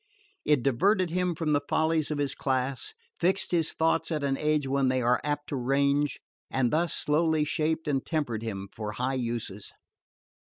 It diverted him from the follies of his class, fixed his thoughts at an age when they are apt to range, and thus slowly shaped and tempered him for high uses.